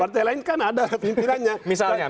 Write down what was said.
partai lain kan ada pimpinannya misalnya